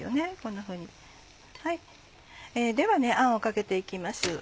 ではあんをかけて行きます。